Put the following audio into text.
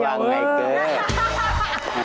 เอาไงเกิน